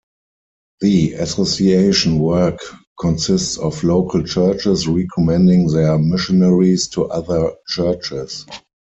The association work consists of local churches recommending their missionaries to other churches.